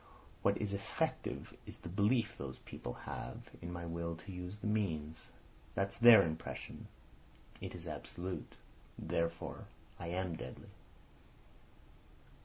What is effective is the belief those people have in my will to use the means. That's their impression. It is absolute. Therefore I am deadly."